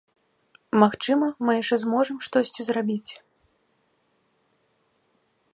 Магчыма, мы яшчэ зможам штосьці зрабіць.